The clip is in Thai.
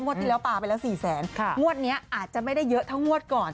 ที่แล้วปลาไปแล้ว๔แสนงวดนี้อาจจะไม่ได้เยอะเท่างวดก่อน